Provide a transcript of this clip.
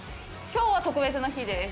今日は特別な日です。